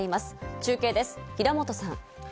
中継です、平本さん。